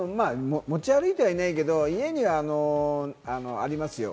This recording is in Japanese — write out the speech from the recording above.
持ち歩いてはいないけど、家にはありますよ。